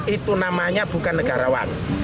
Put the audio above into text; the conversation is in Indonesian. itu namanya bukan negarawan